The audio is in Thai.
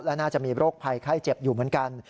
และน่าจะมีโรคภัยไข้เจ็บอยู่เหมือนกัน